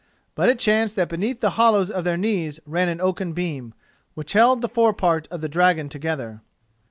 But it chanced that beneath the hollows of their knees ran an oaken beam, which held the forepart of the dragon together.